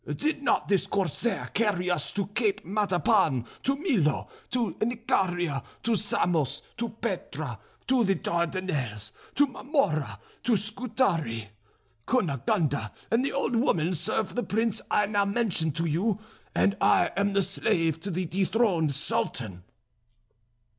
Did not this corsair carry us to Cape Matapan, to Milo, to Nicaria, to Samos, to Petra, to the Dardanelles, to Marmora, to Scutari? Cunegonde and the old woman serve the prince I now mentioned to you, and I am slave to the dethroned Sultan."